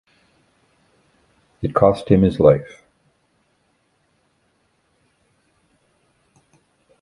It cost him his life.